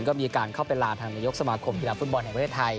ก็มีการเข้าไปลาทางนายกสมาคมกีฬาฟุตบอลแห่งประเทศไทย